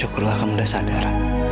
padahal kamu udah sadar